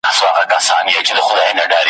په سینو کي یې ځای ونیوی اورونو ,